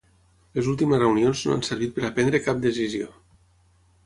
Les últimes reunions no han servit per a prendre cap decisió.